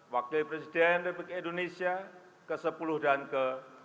wakil presiden republik indonesia ke sepuluh dan ke empat belas